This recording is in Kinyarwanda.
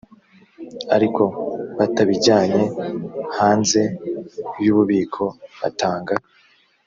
ariko batabijyanye hannze y ububiko batanga